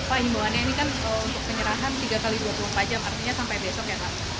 pak himbawannya ini kan untuk penyerahan tiga x dua puluh empat jam artinya sampai besok ya pak